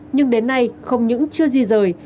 nhưng đến nay không những chưa di rời